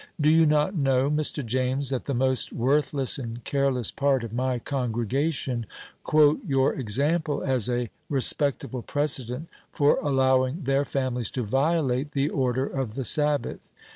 Do you not know, Mr. James, that the most worthless and careless part of my congregation quote your example as a respectable precedent for allowing their families to violate the order of the Sabbath?